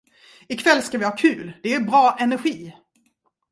Ikväll ska vi ha kul, det är bra energi!